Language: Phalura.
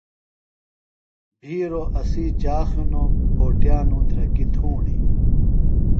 بِھیروۡ اسی چاخ ہِنوۡ، پھو ٹِیانوۡ دھرکیۡ تُھوݨیۡ